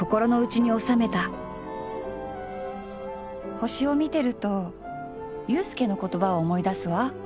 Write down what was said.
星を見てると裕介の言葉を思い出すヮ。